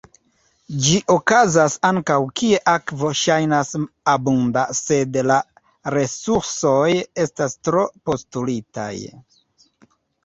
Ĝi okazas ankaŭ kie akvo ŝajnas abunda sed la resursoj estas tro-postulitaj.